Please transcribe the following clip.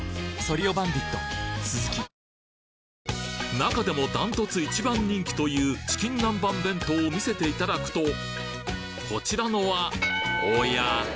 中でもダントツ一番人気というチキンナンバン弁当を見せていただくとこちらのはおや？